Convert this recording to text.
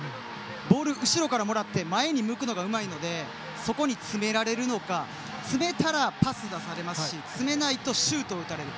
ボールを後ろからもらって前に向くのがうまいのでそこに詰められるのか詰めたらパスを出されますし詰めないとシュートを打たれる。